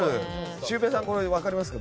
シュウペイさん分かりますか？